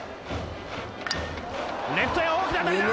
レフトへ大きな当たりだ！